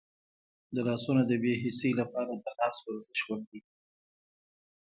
د لاسونو د بې حسی لپاره د لاس ورزش وکړئ